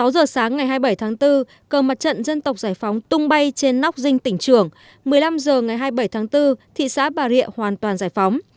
sáu giờ sáng ngày hai mươi bảy tháng bốn cờ mặt trận dân tộc giải phóng tung bay trên nóc dinh tỉnh trường một mươi năm h ngày hai mươi bảy tháng bốn thị xã bà rịa hoàn toàn giải phóng